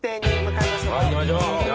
行きましょう。